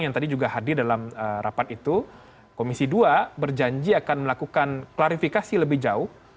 yang tadi juga hadir dalam rapat itu komisi dua berjanji akan melakukan klarifikasi lebih jauh